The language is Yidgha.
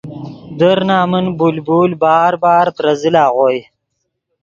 در نمن بلبل بار بار ترے زل اغوئے